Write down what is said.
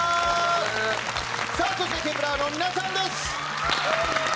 さあそしてＫｅｐ１ｅｒの皆さんです。